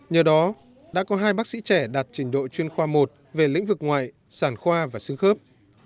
nhờ đó đã có hai bác sĩ trẻ đạt trình độ chuyên khoa một về lĩnh vực ngoại sản khoa và xương khớp